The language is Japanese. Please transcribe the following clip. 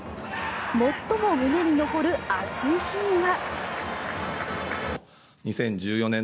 最も胸に残る熱シーンは。